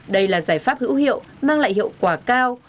đây là giải pháp hữu hiệu mang lại hiệu quả cao